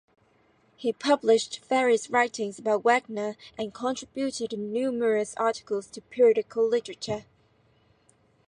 He published various writings about Wagner and contributed numerous articles to periodical literature.